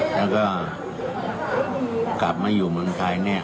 แล้วก็กลับมาอยู่เมืองไทยเนี่ย